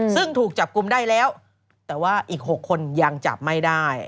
ซึ่งถูกจับกลุ่มได้แล้วแต่ว่าอีก๖คนยังจับไม่ได้